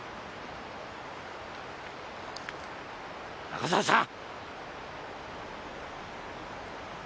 中澤さん！